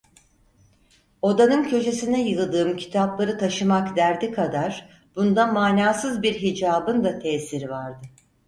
Odanın köşesine yığdığım kitapları taşımak derdi kadar, bunda manasız bir hicabın da tesiri vardı.